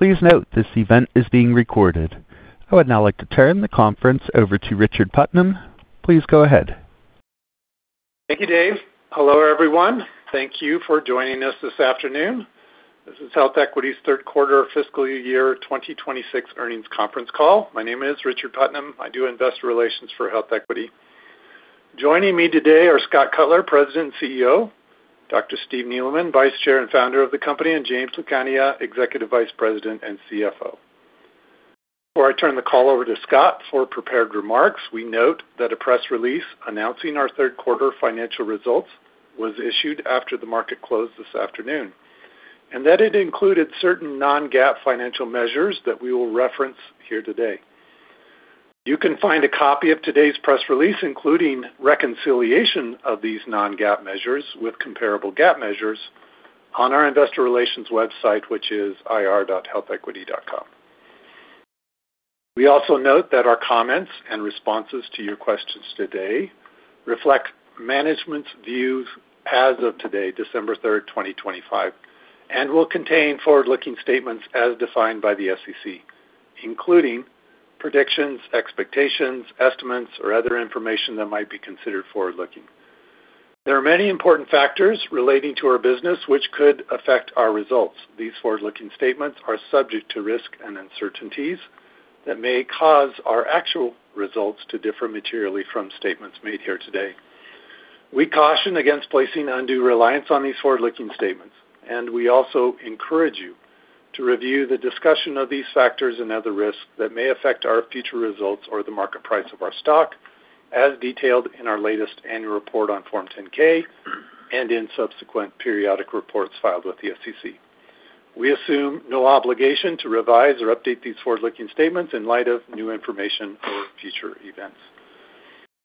Please note this event is being recorded. I would now like to turn the conference over to Richard Putnam. Please go ahead. Thank you, Dave. Hello, everyone. Thank you for joining us this afternoon. This is HealthEquity's third quarter fiscal year 2026 earnings conference call. My name is Richard Putnam. I do investor Relations for HealthEquity. Joining me today are Scott Cutler, President and CEO, Dr. Steve Neeleman, Vice Chair and Founder of the company, and James Lucania, Executive Vice President and CFO. Before I turn the call over to Scott for prepared remarks, we note that a press release announcing our third quarter financial results was issued after the market closed this afternoon, and that it included certain non-GAAP financial measures that we will reference here today. You can find a copy of today's press release, including reconciliation of these non-GAAP measures with comparable GAAP measures, on our investor relations website, which is ir.healthequity.com. We also note that our comments and responses to your questions today reflect management's views as of today, December 3, 2025, and will contain forward-looking statements as defined by the SEC, including predictions, expectations, estimates, or other information that might be considered forward-looking. There are many important factors relating to our business which could affect our results. These forward-looking statements are subject to risk and uncertainties that may cause our actual results to differ materially from statements made here today. We caution against placing undue reliance on these forward-looking statements, and we also encourage you to review the discussion of these factors and other risks that may affect our future results or the market price of our stock, as detailed in our latest annual report on Form 10-K and in subsequent periodic reports filed with the SEC. We assume no obligation to revise or update these forward-looking statements in light of new information or future events.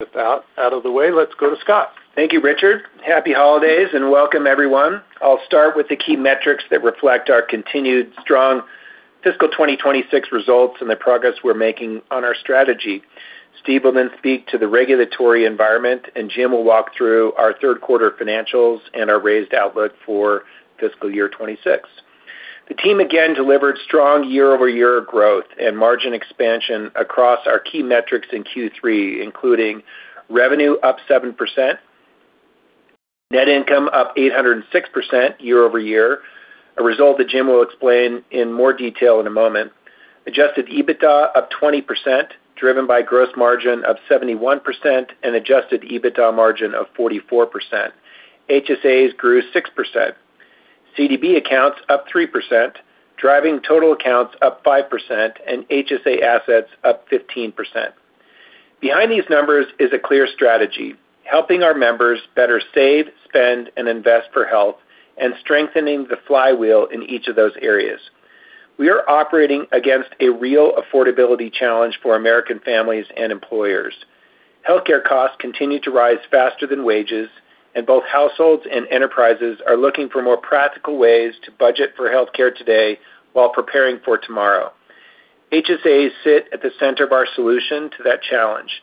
With that out of the way, let's go to Scott. Thank you, Richard. Happy holidays, and welcome, everyone. I'll start with the key metrics that reflect our continued strong fiscal 2026 results and the progress we're making on our strategy. Steve will then speak to the regulatory environment, and Jim will walk through our third quarter financials and our raised outlook for fiscal year 2026. The team again delivered strong year-over-year growth and margin expansion across our key metrics in Q3, including revenue up 7%, net income up 806% year-over-year, a result that Jim will explain in more detail in a moment, adjusted EBITDA up 20%, driven by gross margin up 71%, and adjusted EBITDA margin of 44%. HSAs grew 6%. CDB accounts up 3%, driving total accounts up 5%, and HSA assets up 15%. Behind these numbers is a clear strategy: helping our members better save, spend, and invest for health, and strengthening the Flywheel in each of those areas. We are operating against a real affordability challenge for American families and employers. Healthcare costs continue to rise faster than wages, and both households and enterprises are looking for more practical ways to budget for healthcare today while preparing for tomorrow. HSAs sit at the center of our solution to that challenge.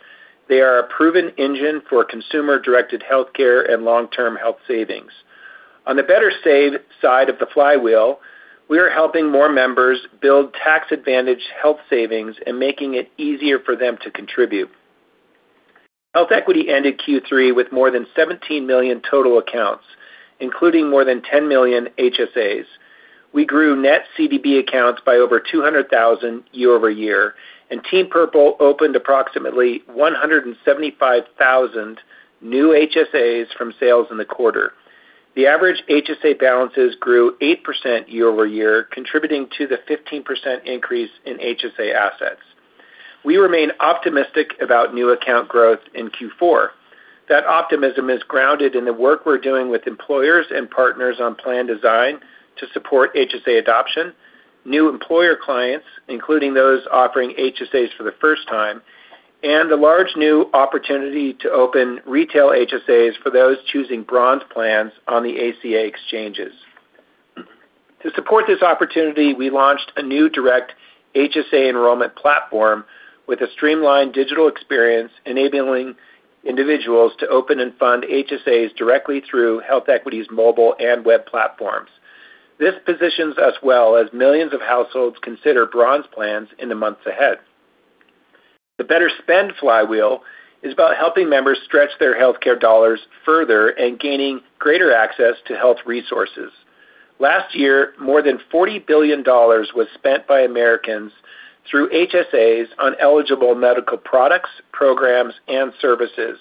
They are a proven engine for consumer-directed healthcare and long-term health savings. On the better-save side of the Flywheel, we are helping more members build tax-advantaged health savings and making it easier for them to contribute. HealthEquity ended Q3 with more than 17 million total accounts, including more than 10 million HSAs. We grew net CDB accounts by over 200,000 year-over-year, and Team Purple opened approximately 175,000 new HSAs from sales in the quarter. The average HSA balances grew 8% year-over-year, contributing to the 15% increase in HSA assets. We remain optimistic about new account growth in Q4. That optimism is grounded in the work we're doing with employers and partners on plan design to support HSA adoption, new employer clients, including those offering HSAs for the first time, and the large new opportunity to open retail HSAs for those choosing bronze plans on the ACA exchanges. To support this opportunity, we launched a new direct HSA enrollment platform with a streamlined digital experience, enabling individuals to open and fund HSAs directly through HealthEquity's mobile and web platforms. This positions us well as millions of households consider bronze plans in the months ahead. The better-spend Flywheel is about helping members stretch their healthcare dollars further and gaining greater access to health resources. Last year, more than $40 billion was spent by Americans through HSAs on eligible medical products, programs, and services.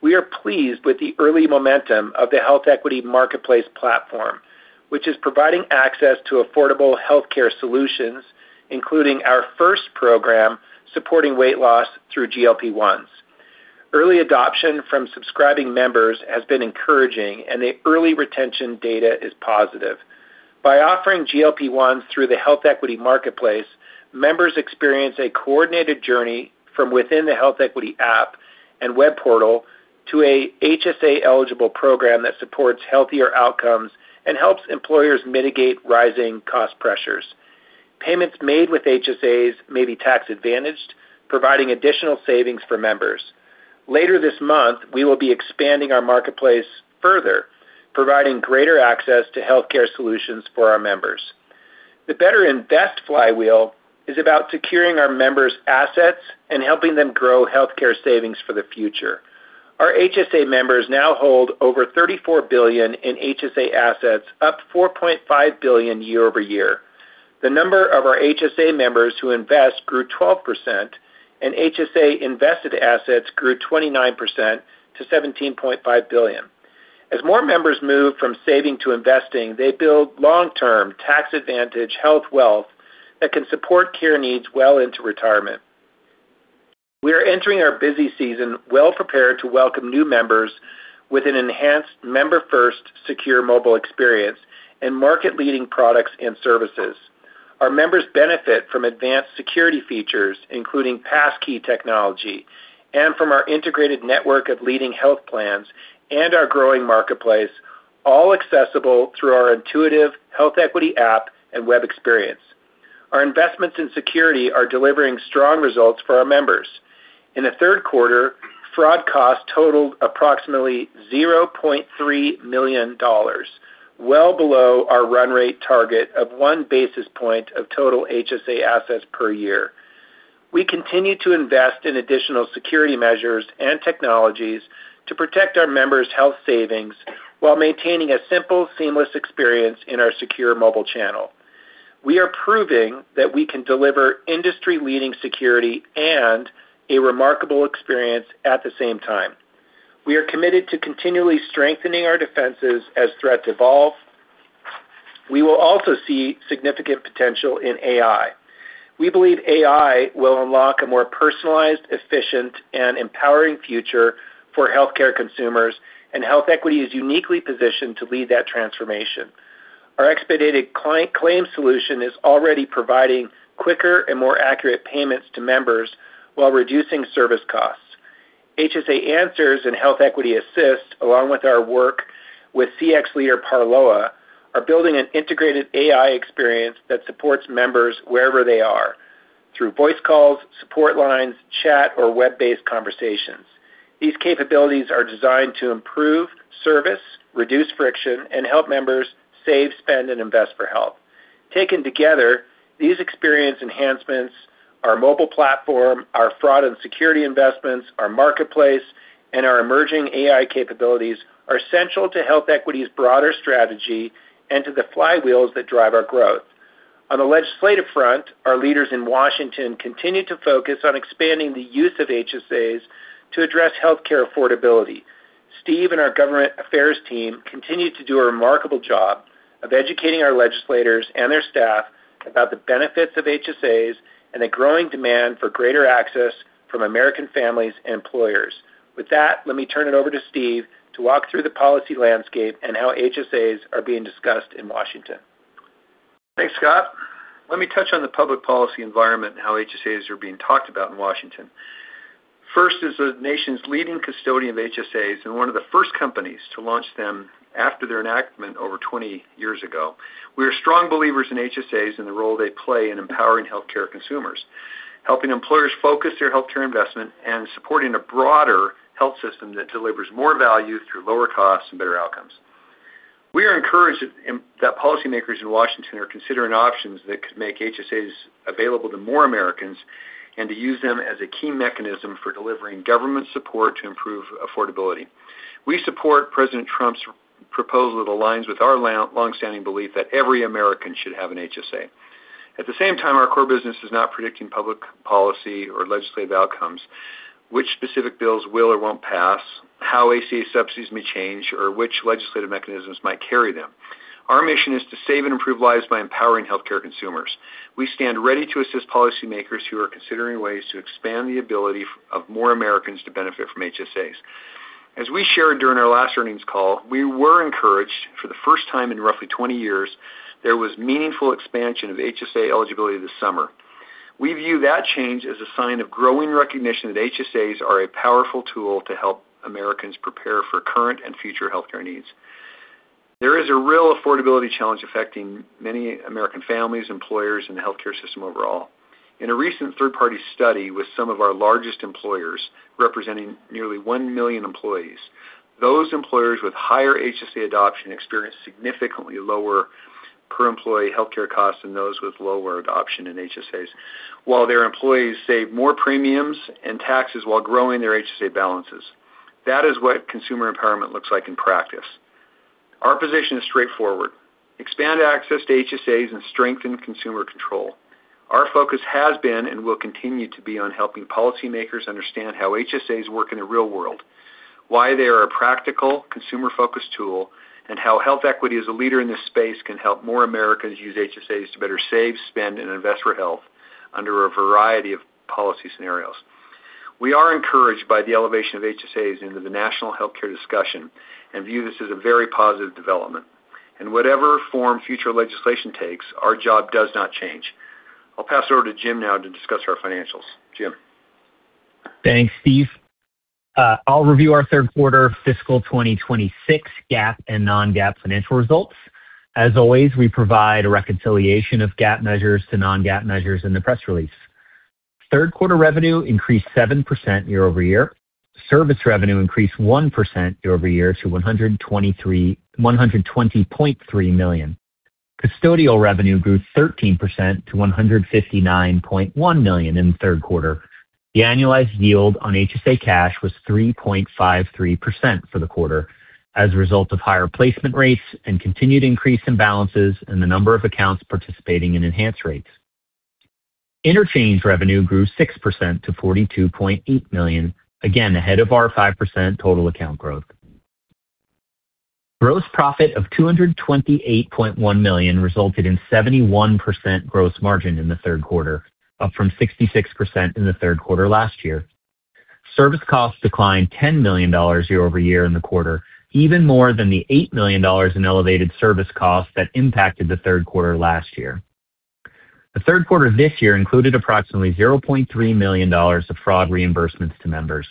We are pleased with the early momentum of the HealthEquity Marketplace platform, which is providing access to affordable healthcare solutions, including our first program supporting weight loss through GLP-1s. Early adoption from subscribing members has been encouraging, and the early retention data is positive. By offering GLP-1s through the HealthEquity Marketplace, members experience a coordinated journey from within the HealthEquity App and web portal to a HSA-eligible program that supports healthier outcomes and helps employers mitigate rising cost pressures. Payments made with HSAs may be tax-advantaged, providing additional savings for members. Later this month, we will be expanding our marketplace further, providing greater access to healthcare solutions for our members. The better-and-best flywheel is about securing our members' assets and helping them grow healthcare savings for the future. Our HSA members now hold over $34 billion in HSA assets, up $4.5 billion year-over-year. The number of our HSA members who invest grew 12%, and HSA invested assets grew 29% to $17.5 billion. As more members move from saving to investing, they build long-term tax-advantaged health wealth that can support care needs well into retirement. We are entering our busy season well-prepared to welcome new members with an enhanced member-first, secure mobile experience and market-leading products and services. Our members benefit from advanced security features, including passkey technology, and from our integrated network of leading health plans and our growing marketplace, all accessible through our intuitive HealthEquity app and web experience. Our investments in security are delivering strong results for our members. In the third quarter, fraud costs totaled approximately $0.3 million, well below our run rate target of one basis point of total HSA assets per year. We continue to invest in additional security measures and technologies to protect our members' health savings while maintaining a simple, seamless experience in our secure mobile channel. We are proving that we can deliver industry-leading security and a remarkable experience at the same time. We are committed to continually strengthening our defenses as threats evolve. We will also see significant potential in AI. We believe AI will unlock a more personalized, efficient, and empowering future for healthcare consumers, and HealthEquity is uniquely positioned to lead that transformation. Our expedited claim solution is already providing quicker and more accurate payments to members while reducing service costs. HSA Answers and HealthEquity Assist, along with our work with CX leader Parloa, are building an integrated AI experience that supports members wherever they are through voice calls, support lines, chat, or web-based conversations. These capabilities are designed to improve service, reduce friction, and help members save, spend, and invest for health. Taken together, these experience enhancements, our mobile platform, our fraud and security investments, our marketplace, and our emerging AI capabilities are essential to HealthEquity's broader strategy and to the flywheels that drive our growth. On the legislative front, our leaders in Washington continue to focus on expanding the use of HSAs to address healthcare affordability. Steve and our government affairs team continue to do a remarkable job of educating our legislators and their staff about the benefits of HSAs and the growing demand for greater access from American families and employers. With that, let me turn it over to Steve to walk through the policy landscape and how HSAs are being discussed in Washington. Thanks, Scott. Let me touch on the public policy environment and how HSAs are being talked about in Washington. First, as the nation's leading custodian of HSAs and one of the first companies to launch them after their enactment over 20 years ago, we are strong believers in HSAs and the role they play in empowering healthcare consumers, helping employers focus their healthcare investment and supporting a broader health system that delivers more value through lower costs and better outcomes. We are encouraged that policymakers in Washington are considering options that could make HSAs available to more Americans and to use them as a key mechanism for delivering government support to improve affordability. We support President Trump's proposal that aligns with our longstanding belief that every American should have an HSA. At the same time, our core business is not predicting public policy or legislative outcomes, which specific bills will or won't pass, how ACA subsidies may change, or which legislative mechanisms might carry them. Our mission is to save and improve lives by empowering healthcare consumers. We stand ready to assist policymakers who are considering ways to expand the ability of more Americans to benefit from HSAs. As we shared during our last earnings call, we were encouraged for the first time in roughly 20 years there was meaningful expansion of HSA eligibility this summer. We view that change as a sign of growing recognition that HSAs are a powerful tool to help Americans prepare for current and future healthcare needs. There is a real affordability challenge affecting many American families, employers, and the healthcare system overall. In a recent third-party study with some of our largest employers, representing nearly one million employees, those employers with higher HSA adoption experience significantly lower per-employee healthcare costs than those with lower adoption in HSAs, while their employees save more premiums and taxes while growing their HSA balances. That is what consumer empowerment looks like in practice. Our position is straightforward: expand access to HSAs and strengthen consumer control. Our focus has been and will continue to be on helping policymakers understand how HSAs work in the real world, why they are a practical, consumer-focused tool, and how HealthEquity as a leader in this space can help more Americans use HSAs to better save, spend, and invest for health under a variety of policy scenarios. We are encouraged by the elevation of HSAs into the national healthcare discussion and view this as a very positive development. In whatever form future legislation takes, our job does not change. I'll pass it over to Jim now to discuss our financials. Jim. Thanks, Steve. I'll review our third quarter fiscal 2026 GAAP and non-GAAP financial results. As always, we provide a reconciliation of GAAP measures to non-GAAP measures in the press release. Third quarter revenue increased 7% year-over-year. Service revenue increased 1% year-over-year to $120.3 million. Custodial revenue grew 13% to $159.1 million in the third quarter. The annualized yield on HSA cash was 3.53% for the quarter as a result of higher placement rates and continued increase in balances and the number of accounts participating in enhanced rates. Interchange revenue grew 6% to $42.8 million, again ahead of our 5% total account growth. Gross profit of $228.1 million resulted in 71% gross margin in the third quarter, up from 66% in the third quarter last year. Service costs declined $10 million year-over-year in the quarter, even more than the $8 million in elevated service costs that impacted the third quarter last year. The third quarter this year included approximately $0.3 million of fraud reimbursements to members,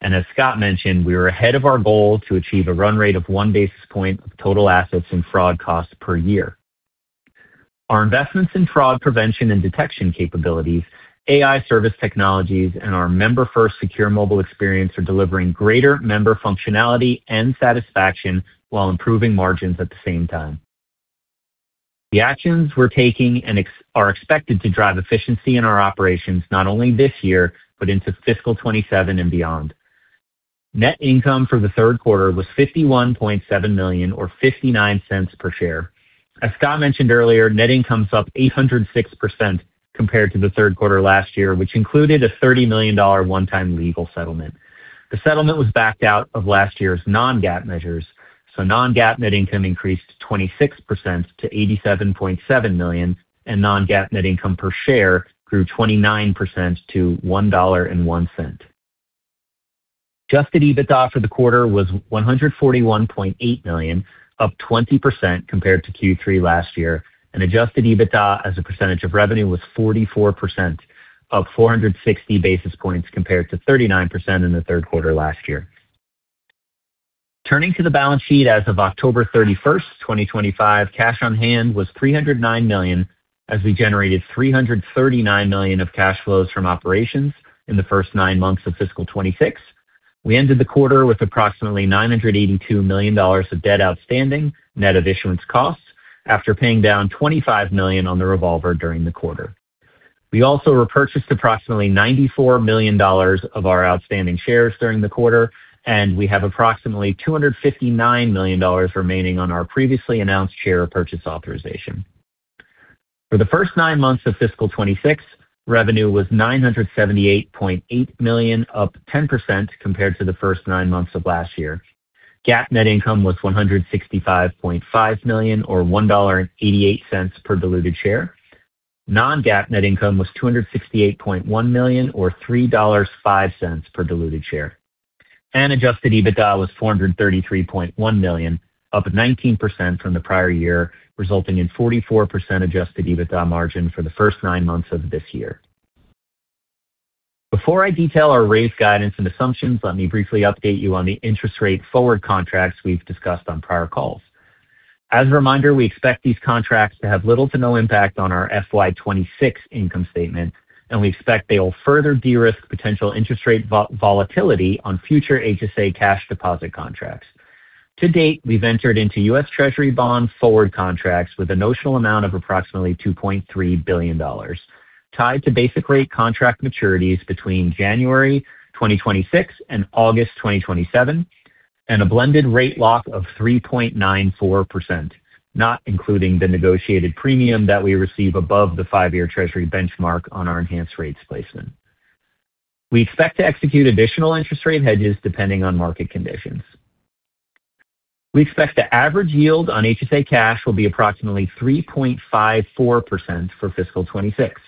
and as Scott mentioned, we were ahead of our goal to achieve a run rate of one basis point of total assets in fraud costs per year. Our investments in fraud prevention and detection capabilities, AI service technologies, and our member-first secure mobile experience are delivering greater member functionality and satisfaction while improving margins at the same time. The actions we're taking are expected to drive efficiency in our operations not only this year but into fiscal 2027 and beyond. Net income for the third quarter was $51.7 million, or $0.59 per share. As Scott mentioned earlier, net income is up 806% compared to the third quarter last year, which included a $30 million one-time legal settlement. The settlement was backed out of last year's non-GAAP measures, so non-GAAP net income increased 26% to $87.7 million, and non-GAAP net income per share grew 29% to $1.01. Adjusted EBITDA for the quarter was $141.8 million, up 20% compared to Q3 last year, and adjusted EBITDA as a percentage of revenue was 44%, up 460 basis points compared to 39% in the third quarter last year. Turning to the balance sheet as of October 31, 2025, cash on hand was $309 million, as we generated $339 million of cash flows from operations in the first nine months of fiscal 26. We ended the quarter with approximately $982 million of debt outstanding, net of issuance costs, after paying down $25 million on the revolver during the quarter. We also repurchased approximately $94 million of our outstanding shares during the quarter, and we have approximately $259 million remaining on our previously announced share purchase authorization. For the first nine months of fiscal 2026, revenue was $978.8 million, up 10% compared to the first nine months of last year. GAAP net income was $165.5 million, or $1.88 per diluted share. Non-GAAP net income was $268.1 million, or $3.05 per diluted share, and adjusted EBITDA was $433.1 million, up 19% from the prior year, resulting in 44% adjusted EBITDA margin for the first nine months of this year. Before I detail our raised guidance and assumptions, let me briefly update you on the interest rate forward contracts we've discussed on prior calls. As a reminder, we expect these contracts to have little to no impact on our FY26 income statement, and we expect they will further de-risk potential interest rate volatility on future HSA cash deposit contracts. To date, we've entered into U.S. Treasury bond forward contracts with a notional amount of approximately $2.3 billion, tied to basic rate contract maturities between January 2026 and August 2027, and a blended rate lock of 3.94%, not including the negotiated premium that we receive above the five-year Treasury benchmark on our enhanced rates placement. We expect to execute additional interest rate hedges depending on market conditions. We expect the average yield on HSA cash will be approximately 3.54% for fiscal 26.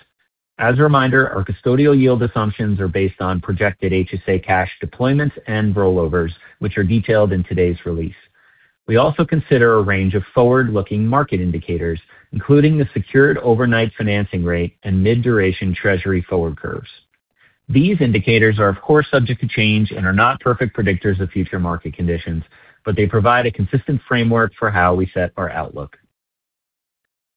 As a reminder, our custodial yield assumptions are based on projected HSA cash deployments and rollovers, which are detailed in today's release. We also consider a range of forward-looking market indicators, including the secured overnight financing rate and mid-duration Treasury forward curves. These indicators are, of course, subject to change and are not perfect predictors of future market conditions, but they provide a consistent framework for how we set our outlook.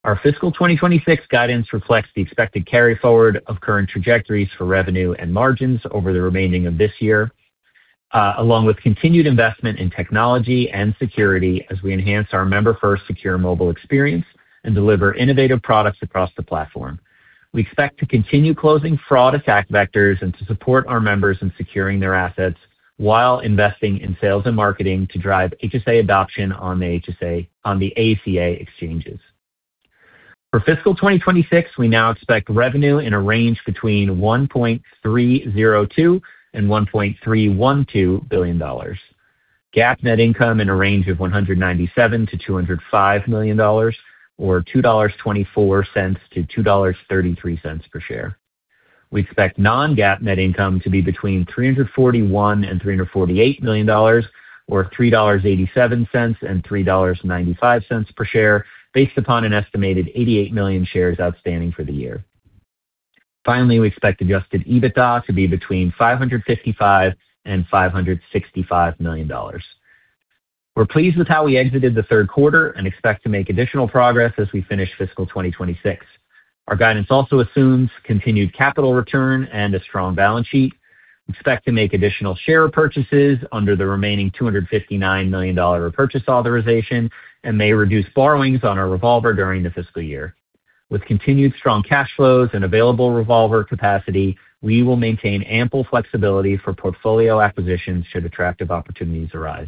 Our fiscal 2026 guidance reflects the expected carry forward of current trajectories for revenue and margins over the remaining of this year, along with continued investment in technology and security as we enhance our member-first secure mobile experience and deliver innovative products across the platform. We expect to continue closing fraud attack vectors and to support our members in securing their assets while investing in sales and marketing to drive HSA adoption on the ACA exchanges. For fiscal 2026, we now expect revenue in a range between $1.302 and $1.312 billion. GAAP net income in a range of $197 to $205 million, or $2.24 to $2.33 per share. We expect non-GAAP net income to be between $341 and $348 million, or $3.87 and $3.95 per share, based upon an estimated 88 million shares outstanding for the year. Finally, we expect Adjusted EBITDA to be between $555 and $565 million. We're pleased with how we exited the third quarter and expect to make additional progress as we finish fiscal 2026. Our guidance also assumes continued capital return and a strong balance sheet. We expect to make additional share purchases under the remaining $259 million repurchase authorization and may reduce borrowings on our revolver during the fiscal year. With continued strong cash flows and available revolver capacity, we will maintain ample flexibility for portfolio acquisitions should attractive opportunities arise.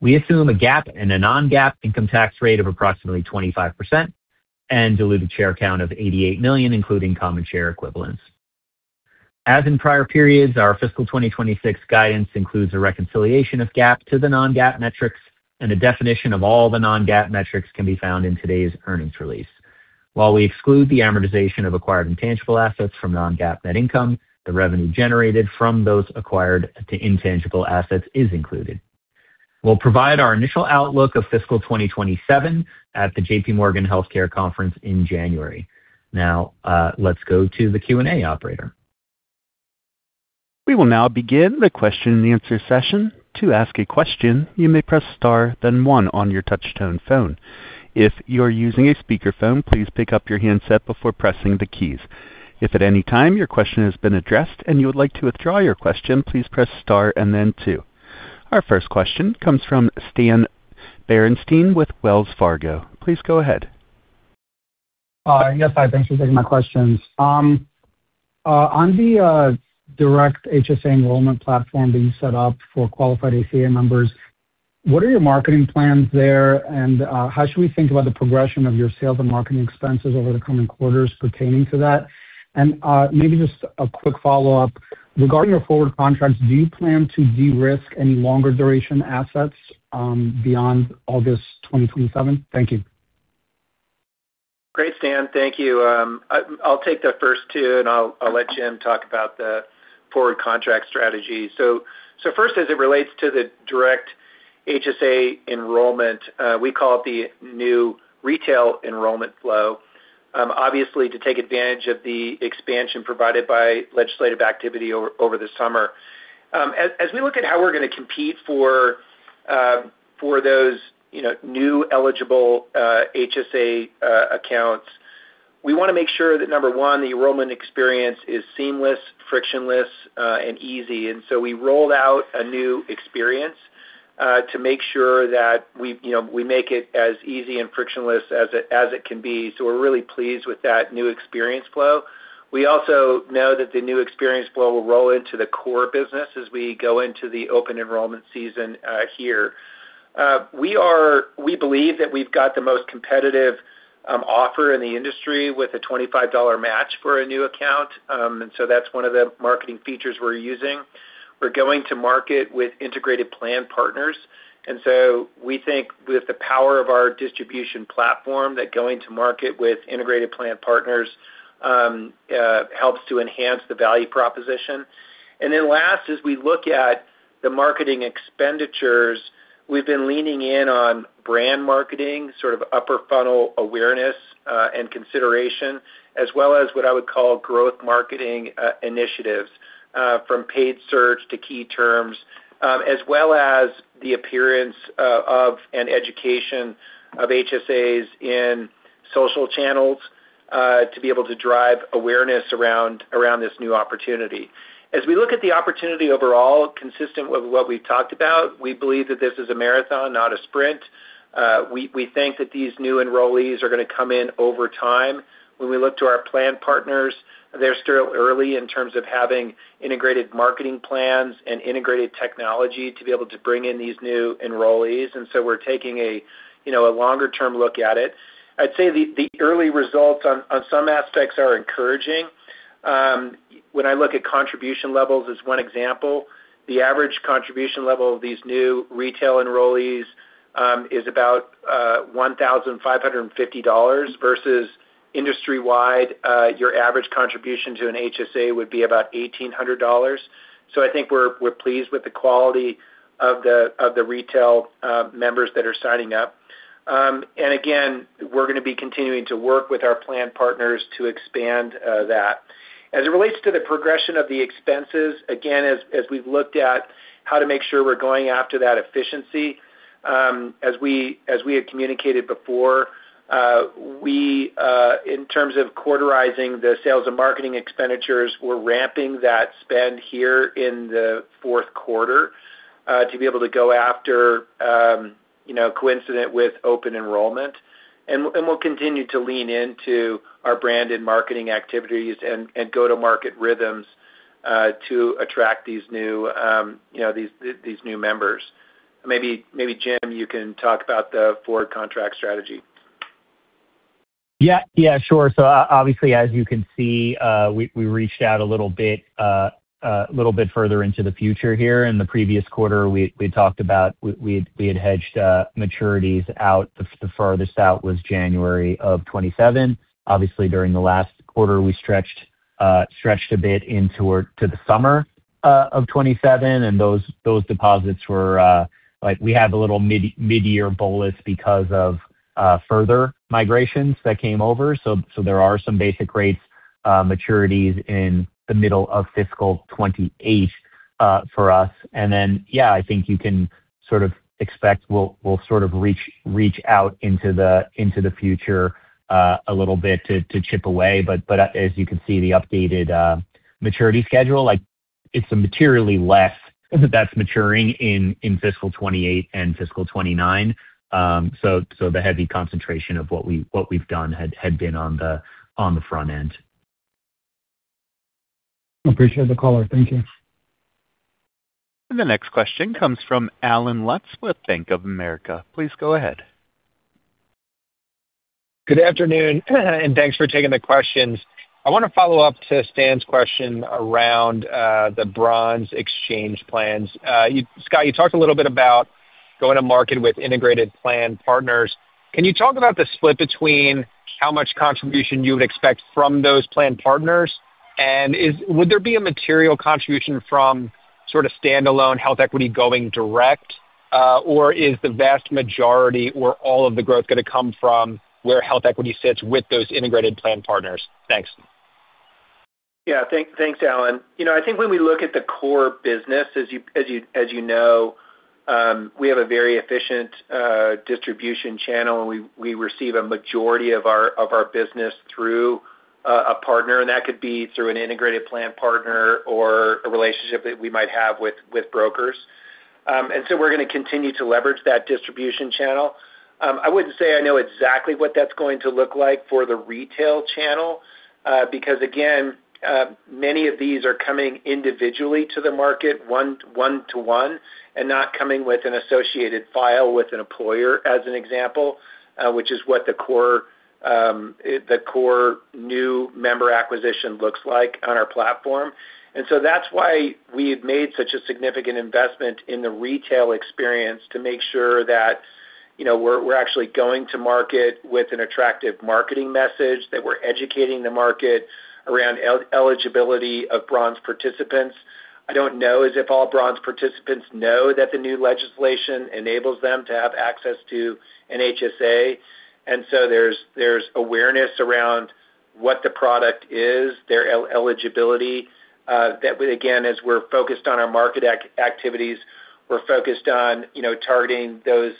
We assume a GAAP and a non-GAAP income tax rate of approximately 25% and diluted share count of 88 million, including common share equivalents. As in prior periods, our fiscal 2026 guidance includes a reconciliation of GAAP to the non-GAAP metrics, and a definition of all the non-GAAP metrics can be found in today's earnings release. While we exclude the amortization of acquired intangible assets from non-GAAP net income, the revenue generated from those acquired intangible assets is included. We'll provide our initial outlook of fiscal 2027 at the J.P. Morgan HealthCare Conference in January. Now, let's go to the Q&A operator. We will now begin the question and answer session. To ask a question, you may press star, then one on your touch-tone phone. If you're using a speakerphone, please pick up your handset before pressing the keys. If at any time your question has been addressed and you would like to withdraw your question, please press star and then two. Our first question comes from Stan Berenstein with Wells Fargo. Please go ahead. Yes, hi. Thanks for taking my questions. On the direct HSA enrollment platform being set up for qualified ACA members, what are your marketing plans there, and how should we think about the progression of your sales and marketing expenses over the coming quarters pertaining to that? And maybe just a quick follow-up. Regarding your forward contracts, do you plan to de-risk any longer-duration assets beyond August 2027? Thank you. Great, Stan. Thank you. I'll take the first two, and I'll let Jim talk about the forward contract strategy, so first, as it relates to the direct HSA enrollment, we call it the new retail enrollment flow, obviously to take advantage of the expansion provided by legislative activity over the summer. As we look at how we're going to compete for those new eligible HSA accounts, we want to make sure that, number one, the enrollment experience is seamless, frictionless, and easy, and so we rolled out a new experience to make sure that we make it as easy and frictionless as it can be, so we're really pleased with that new experience flow. We also know that the new experience flow will roll into the core business as we go into the open enrollment season here. We believe that we've got the most competitive offer in the industry with a $25 match for a new account, and so that's one of the marketing features we're using. We're going to market with integrated plan partners, and so we think with the power of our distribution platform that going to market with integrated plan partners helps to enhance the value proposition, and then last, as we look at the marketing expenditures, we've been leaning in on brand marketing, sort of upper funnel awareness and consideration, as well as what I would call growth marketing initiatives from paid search to key terms, as well as the appearance and education of HSAs in social channels to be able to drive awareness around this new opportunity. As we look at the opportunity overall, consistent with what we've talked about, we believe that this is a marathon, not a sprint. We think that these new enrollees are going to come in over time. When we look to our plan partners, they're still early in terms of having integrated marketing plans and integrated technology to be able to bring in these new enrollees, and so we're taking a longer-term look at it. I'd say the early results on some aspects are encouraging. When I look at contribution levels as one example, the average contribution level of these new retail enrollees is about $1,550 versus industry-wide, your average contribution to an HSA would be about $1,800. So I think we're pleased with the quality of the retail members that are signing up, and again, we're going to be continuing to work with our plan partners to expand that. As it relates to the progression of the expenses, again, as we've looked at how to make sure we're going after that efficiency, as we had communicated before, in terms of quarterizing the sales and marketing expenditures, we're ramping that spend here in the fourth quarter to be able to go after coincident with open enrollment. And we'll continue to lean into our branded marketing activities and go-to-market rhythms to attract these new members. Maybe Jim, you can talk about the forward contract strategy. Yeah, yeah, sure. So obviously, as you can see, we reached out a little bit further into the future here. In the previous quarter, we had hedged maturities out. The farthest out was January of 2027. Obviously, during the last quarter, we stretched a bit into the summer of 2027, and those deposits were like we had a little mid-year bolus because of further migrations that came over. So there are some basis rates maturities in the middle of fiscal 2028 for us. And then, yeah, I think you can sort of expect we'll sort of reach out into the future a little bit to chip away. But as you can see, the updated maturity schedule, it's materially less that's maturing in fiscal 2028 and fiscal 2029. So the heavy concentration of what we've done had been on the front end. Appreciate the caller. Thank you. The next question comes from Alan Lutz with Bank of America. Please go ahead. Good afternoon, and thanks for taking the questions. I want to follow up to Stan's question around the Bronze exchange plans. Scott, you talked a little bit about going to market with integrated plan partners. Can you talk about the split between how much contribution you would expect from those plan partners? And would there be a material contribution from sort of standalone HealthEquity going direct, or is the vast majority or all of the growth going to come from where HealthEquity sits with those integrated plan partners? Thanks. Yeah, thanks, Alan. I think when we look at the core business, as you know, we have a very efficient distribution channel, and we receive a majority of our business through a partner. And that could be through an integrated plan partner or a relationship that we might have with brokers. We're going to continue to leverage that distribution channel. I wouldn't say I know exactly what that's going to look like for the retail channel because, again, many of these are coming individually to the market, one-to-one, and not coming with an associated file with an employer, as an example, which is what the core new member acquisition looks like on our platform. That's why we had made such a significant investment in the retail experience to make sure that we're actually going to market with an attractive marketing message, that we're educating the market around eligibility of Bronze participants. I don't know as if all Bronze participants know that the new legislation enables them to have access to an HSA. And so there's awareness around what the product is, their eligibility. Again, as we're focused on our market activities, we're focused on targeting those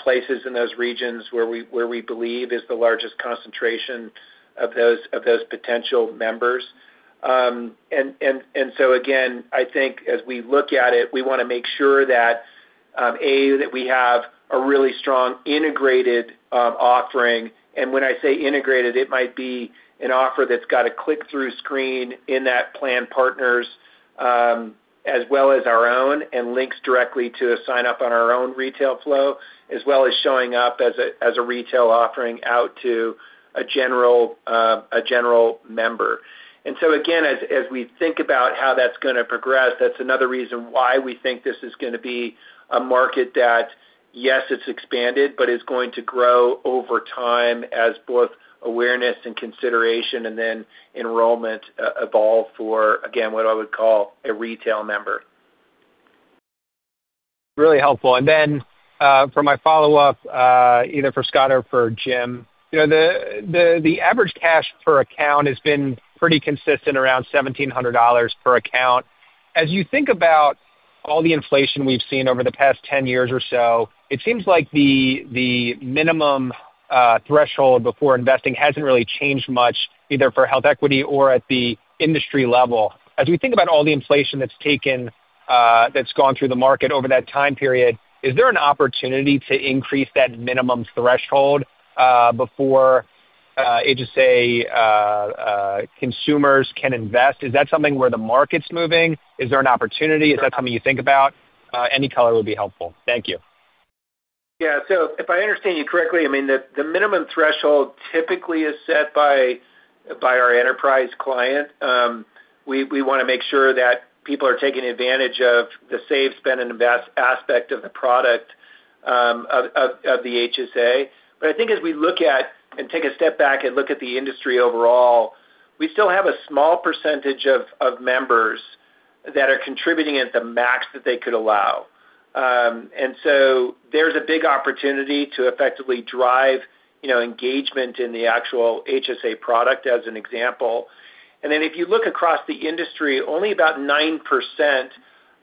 places and those regions where we believe is the largest concentration of those potential members. Again, I think as we look at it, we want to make sure that we have a really strong integrated offering. When I say integrated, it might be an offer that's got a click-through screen in that plan partners as well as our own and links directly to a sign-up on our own retail flow, as well as showing up as a retail offering out to a general member. As we think about how that's going to progress, that's another reason why we think this is going to be a market that, yes, it's expanded, but it's going to grow over time as both awareness and consideration and then enrollment evolve for, again, what I would call a retail member. Really helpful. For my follow-up, either for Scott or for Jim, the average cash per account has been pretty consistent around $1,700 per account. As you think about all the inflation we've seen over the past 10 years or so, it seems like the minimum threshold before investing hasn't really changed much either for HealthEquity or at the industry level. As we think about all the inflation that's taken that's gone through the market over that time period, is there an opportunity to increase that minimum threshold before HSA consumers can invest? Is that something where the market's moving? Is there an opportunity? Is that something you think about? Any color would be helpful. Thank you. Yeah. So if I understand you correctly, I mean, the minimum threshold typically is set by our enterprise client. We want to make sure that people are taking advantage of the save, spend, and invest aspect of the product of the HSA. But I think as we look at and take a step back and look at the industry overall, we still have a small percentage of members that are contributing at the max that they could allow. And so there's a big opportunity to effectively drive engagement in the actual HSA product, as an example. Then if you look across the industry, only about 9%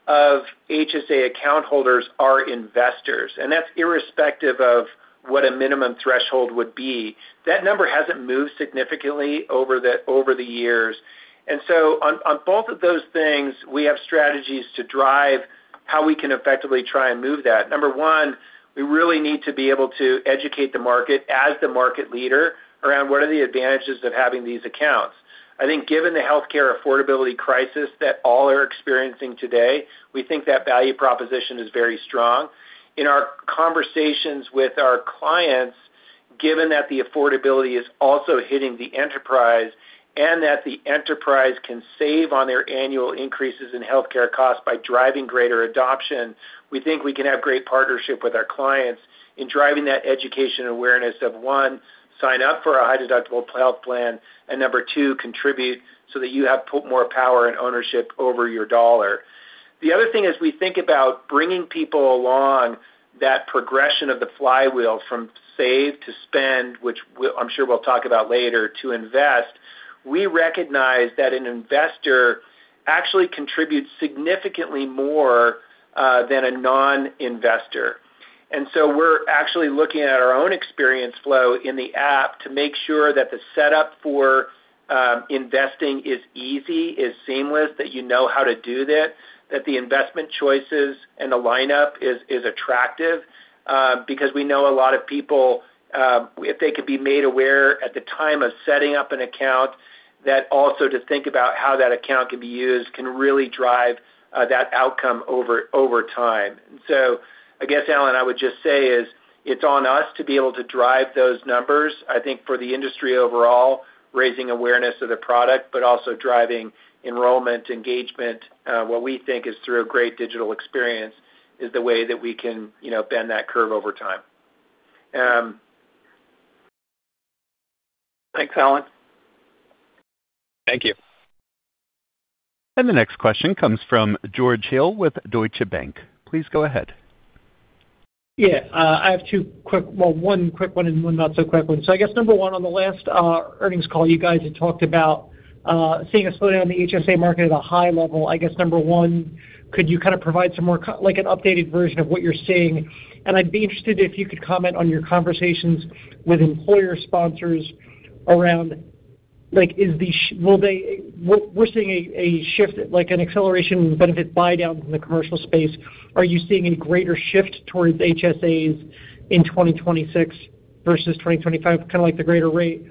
of HSA account holders are investors. That's irrespective of what a minimum threshold would be. That number hasn't moved significantly over the years, and so on both of those things, we have strategies to drive how we can effectively try and move that. Number one, we really need to be able to educate the market as the market leader around what are the advantages of having these accounts. I think given the healthcare affordability crisis that all are experiencing today, we think that value proposition is very strong. In our conversations with our clients, given that the affordability is also hitting the enterprise and that the enterprise can save on their annual increases in healthcare costs by driving greater adoption, we think we can have great partnership with our clients in driving that education awareness of, one, sign up for a high-deductible health plan, and number two, contribute so that you have more power and ownership over your dollar. The other thing as we think about bringing people along that progression of the flywheel from save to spend, which I'm sure we'll talk about later, to invest, we recognize that an investor actually contributes significantly more than a non-investor. We're actually looking at our own experience flow in the app to make sure that the setup for investing is easy, is seamless, that you know how to do that, that the investment choices and the lineup is attractive because we know a lot of people, if they could be made aware at the time of setting up an account, that also to think about how that account can be used can really drive that outcome over time. I guess, Alan, I would just say is it's on us to be able to drive those numbers. I think for the industry overall, raising awareness of the product, but also driving enrollment engagement, what we think is through a great digital experience is the way that we can bend that curve over time. Thanks, Cutler. Thank you. The next question comes from George Hill with Deutsche Bank. Please go ahead. Yeah. I have two quick, well, one quick one and one not so quick one. So I guess number one, on the last earnings call, you guys had talked about seeing a slowdown in the HSA market at a high level. I guess number one, could you kind of provide some more like an updated version of what you're seeing? I'd be interested if you could comment on your conversations with employer sponsors around, are we seeing a shift, like an acceleration benefit buy-down in the commercial space? Are you seeing a greater shift towards HSAs in 2026 versus 2025, kind of like the greater rate?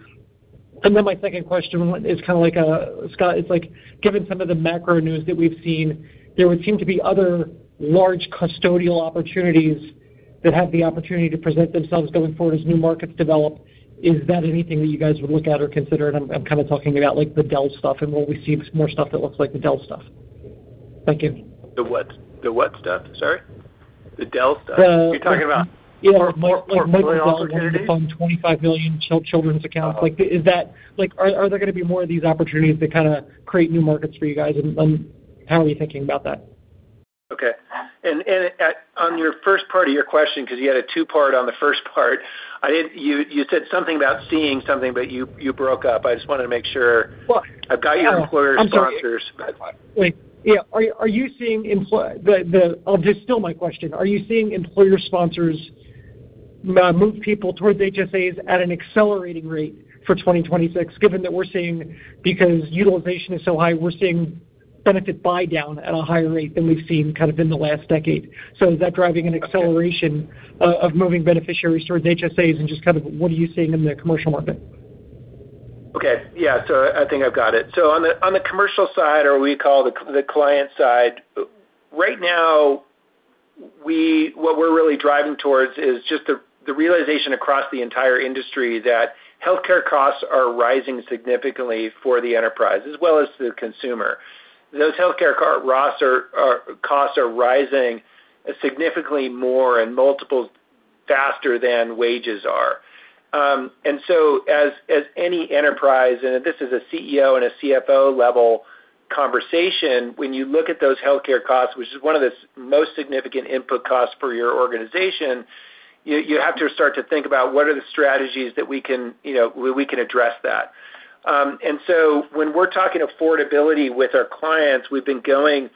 My second question is kind of like, Scott, it's like given some of the macro news that we've seen, there would seem to be other large custodial opportunities that have the opportunity to present themselves going forward as new markets develop. Is that anything that you guys would look at or consider? I'm kind of talking about like the Dell stuff and what we see, more stuff that looks like the Dell stuff. Thank you. The what? The what stuff? Sorry. The Dell stuff. You're talking about. Yeah. More opportunities to find 25 million children's accounts. Are there going to be more of these opportunities to kind of create new markets for you guys? How are you thinking about that? Okay. On your first part of your question, because you had a two-part on the first part, you said something about seeing something, but you broke up. I just wanted to make sure. I've got your employer sponsors. Yeah. Are you seeing? I'll distill my question. Are you seeing employer sponsors move people towards HSAs at an accelerating rate for 2026, given that we're seeing, because utilization is so high, we're seeing benefit buy-down at a higher rate than we've seen kind of in the last decade? Is that driving an acceleration of moving beneficiaries towards HSAs and just kind of what are you seeing in the commercial market? Okay. Yeah. I think I've got it. On the commercial side, or we call the client side, right now, what we're really driving towards is just the realization across the entire industry that healthcare costs are rising significantly for the enterprise, as well as the consumer. Those healthcare costs are rising significantly more and multiples faster than wages are. As any enterprise, and this is a CEO and a CFO-level conversation, when you look at those healthcare costs, which is one of the most significant input costs for your organization, you have to start to think about what are the strategies that we can address that. When we're talking affordability with our clients, we've been going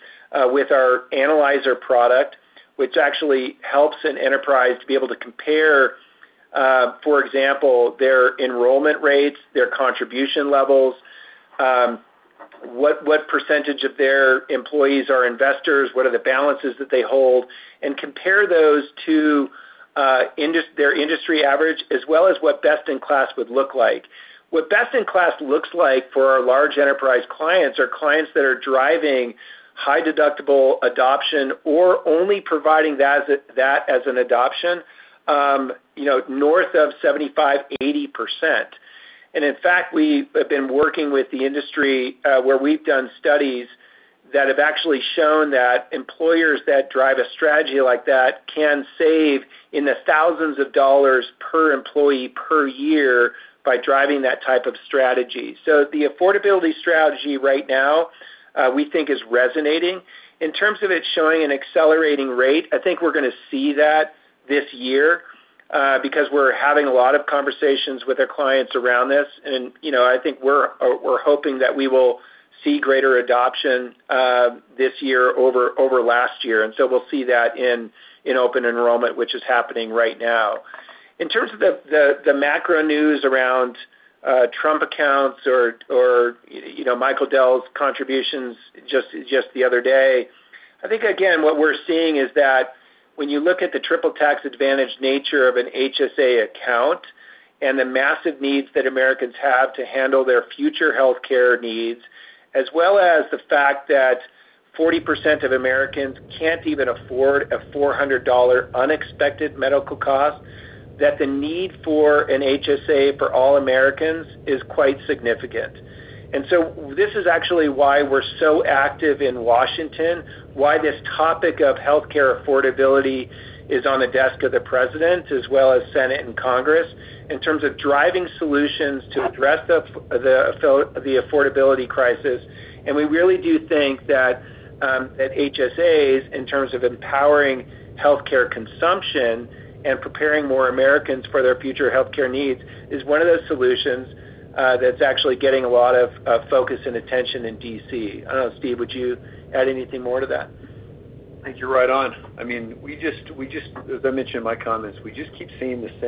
with our analyzer product, which actually helps an enterprise to be able to compare, for example, their enrollment rates, their contribution levels, what percentage of their employees are investors, what are the balances that they hold, and compare those to their industry average, as well as what best-in-class would look like. What best-in-class looks like for our large enterprise clients are clients that are driving high-deductible adoption or only providing that as an adoption north of 75%-80%. In fact, we have been working with the industry where we've done studies that have actually shown that employers that drive a strategy like that can save in a thousands of dollars per employee per year by driving that type of strategy. The affordability strategy right now, we think, is resonating. In terms of it showing an accelerating rate, I think we're going to see that this year because we're having a lot of conversations with our clients around this.I think we're hoping that we will see greater adoption this year over last year. We'll see that in open enrollment, which is happening right now. In terms of the macro news around Trump accounts or Michael Dell's contributions just the other day, I think, again, what we're seeing is that when you look at the triple tax advantage nature of an HSA account and the massive needs that Americans have to handle their future healthcare needs, as well as the fact that 40% of Americans can't even afford a $400 unexpected medical cost, that the need for an HSA for all Americans is quite significan This is actually why we're so active in Washington, why this topic of healthcare affordability is on the desk of the president, as well as Senate and Congress, in terms of driving solutions to address the affordability crisis. We really do think that HSAs, in terms of empowering healthcare consumption and preparing more Americans for their future healthcare needs, is one of those solutions that's actually getting a lot of focus and attention in DC. I don't know, Steve, would you add anything more to that? I think you're right on. I mean, we just, as I mentioned in my comments, we just keep seeing the same.